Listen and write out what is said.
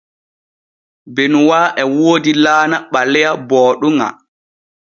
Benuwa e woodi laana ɓaleya booɗuŋa.